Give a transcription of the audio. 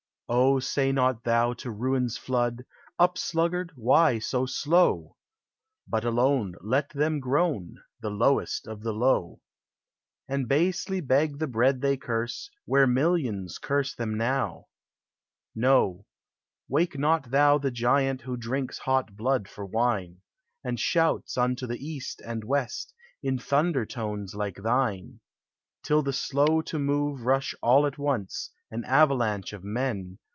O, say not thou to ruin's flood, "Up, sluggard ! why so slow? " lint alone, Let them groan, The lowest of the low ; And basely beg the bread they curse, Where millions curse them now ! No ; wake not thou the giant Who drinks hot blood for wine; And shouts unto the east and west, In thunder tones like thine : Till the slow to move rush all at on An avalanche of men.